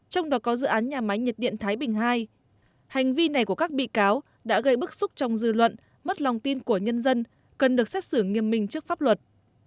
trong đó có dự án nhà máy nhiệt điện thái bình ii hành vi này của các bị cáo đã gây bức xúc trong dư luận mất lòng tin của nhân dân cần được xét xử nghiêm minh trước pháp luật